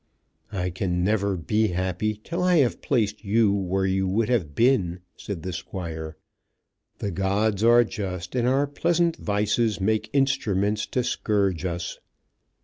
"I can never be happy till I have placed you where you would have been," said the Squire. "The gods are just, and our pleasant vices make instruments to scourge us."